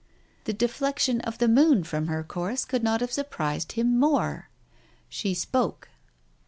The deflection of the moon from her course could not have surprised him more. She spoke.